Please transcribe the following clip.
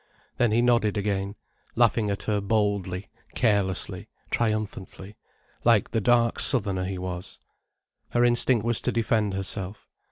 Then he nodded again, laughing at her boldly, carelessly, triumphantly, like the dark Southerner he was. Her instinct was to defend herself.